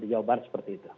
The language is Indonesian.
jawaban seperti itu